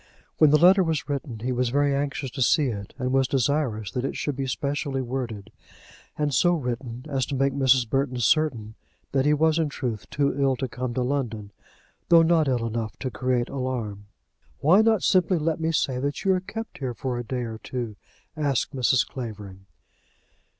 When the letter was written he was very anxious to see it, and was desirous that it should be specially worded, and so written as to make Mrs. Burton certain that he was in truth too ill to come to London, though not ill enough to create alarm. "Why not simply let me say that you are kept here for a day or two?" asked Mrs. Clavering.